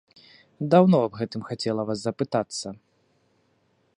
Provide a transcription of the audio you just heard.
Даўно аб гэтым хацела вас запытацца.